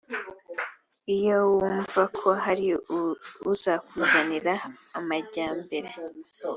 iyo wumva ko hari uzakuzanira amajyambere